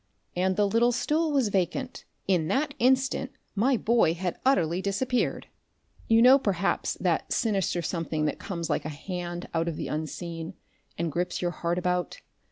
And the little stool was vacant! In that instant my boy had utterly disappeared?... You know, perhaps, that sinister something that comes like a hand out of the unseen and grips your heart about.